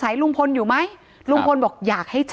ถ้าใครอยากรู้ว่าลุงพลมีโปรแกรมทำอะไรที่ไหนยังไง